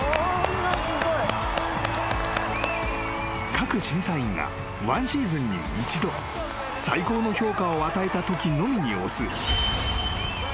［各審査員がワンシーズンに一度最高の評価を与えたときのみに押す］